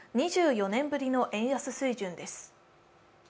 ２４年ぶりの円安水準です。